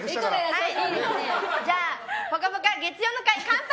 じゃあ、「ぽかぽか」月曜の会乾杯！